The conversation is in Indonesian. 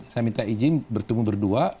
saya minta izin bertemu berdua